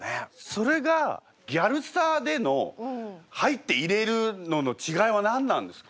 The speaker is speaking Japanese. それがギャルサーでの入っていれるのの違いは何なんですか？